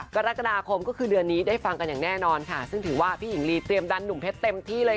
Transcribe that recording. กรกฎาคมก็คือเดือนนี้ได้ฟังกันอย่างแน่นอนค่ะซึ่งถือว่าพี่หญิงลีเตรียมดันหนุ่มเพชรเต็มที่เลย